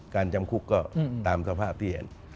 จำคุกก็ตามสภาพที่เห็น